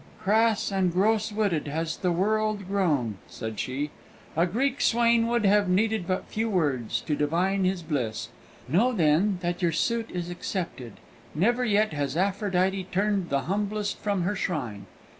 "Crass and gross witted has the world grown!" said she; "a Greek swain would have needed but few words to divine his bliss. Know, then, that your suit is accepted; never yet has Aphrodite turned the humblest from her shrine.